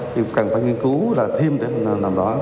thì cũng cần phải nghiên cứu là thêm để làm rõ